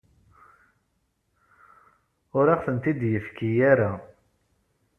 Ur aɣ-tent-id-yefki ara.